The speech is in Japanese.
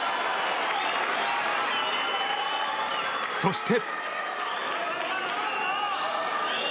そして。